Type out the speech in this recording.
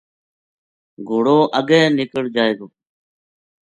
گھوڑو اگے نِکڑ جائے گو